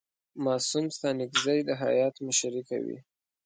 معصوم ستانکزی د هیات مشري کوي.